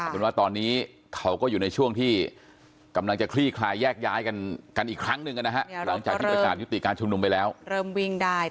คือว่าตอนนี้เขาก็อยู่ในช่วงที่